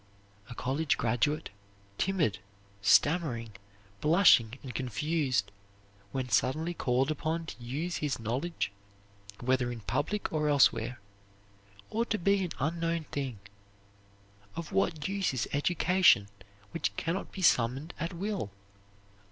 A college graduate, timid, stammering, blushing, and confused, when suddenly called upon to use his knowledge whether in public or elsewhere, ought to be an unknown thing. Of what use is education which can not be summoned at will?